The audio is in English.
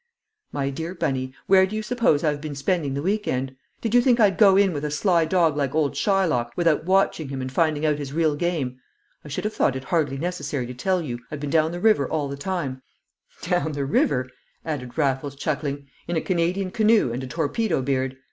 "My dear Bunny, where do you suppose I've been spending the week end? Did you think I'd go in with a sly dog like old Shylock without watching him and finding out his real game? I should have thought it hardly necessary to tell you I've been down the river all the time; down the river," added Raffles, chuckling, "in a Canadian canoe and a torpedo beard!